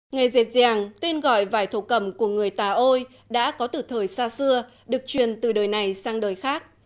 nghề dệt giềng tên gọi vải thổ cầm của người tà ôi đã có từ thời xa xưa được truyền từ đời này sang đời khác